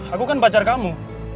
aku kan pacar kamu